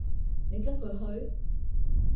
你跟佢去？